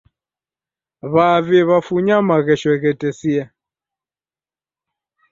W'avi w'afunya maghesho ghetesia.